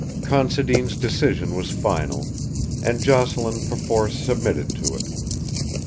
Considine's decision was final, and Jocelyn perforce submitted to it.